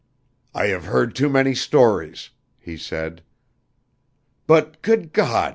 _] "I have heard too many stories," he said. "But, good God!